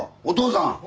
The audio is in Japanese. お父さん。